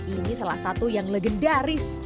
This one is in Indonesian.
ini salah satu yang legendaris